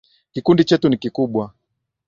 Kikundi chetu ni kikubwa.